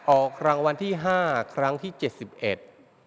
ออกรางวัลที่ห้าครั้งที่เจ็ดสิบเอ็ด